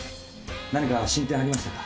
何か進展ありましたか？